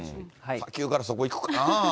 砂丘からそこいくかな。